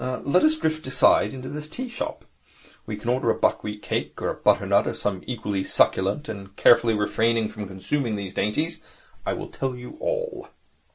Let us drift aside into this tea shop. We can order a buckwheat cake or a butter nut, or something equally succulent, and carefully refraining from consuming these dainties, I will tell you all.'